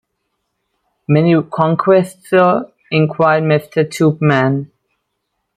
'Many conquests, sir?’ inquired Mr. Tupman.